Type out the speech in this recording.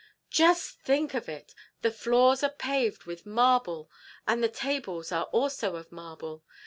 "Just think of it! the floors are paved with marble and the tables are also of marble.